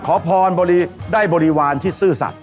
ขอพรได้บริวารที่ซื่อสัตว